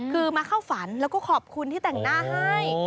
คือมาเข้าฝันแล้วก็ขอบคุณที่แต่งหน้าให้